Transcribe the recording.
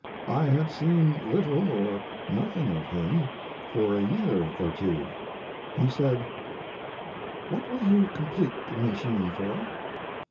I had seen little or nothing of him for a year or two. He said: "What will you complete the machine for?"